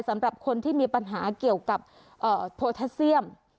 สำหรับคนที่มีปัญหาเกี่ยวกับโพแทสเซียม